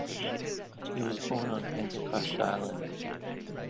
He was born on Pentecost Island.